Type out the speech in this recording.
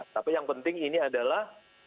tapi yang penting ini adalah